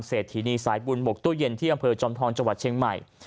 เศรษฐีนีสายบุญบกตู้เย็นที่อำเภอจอมทองจังหวัดเชียงใหม่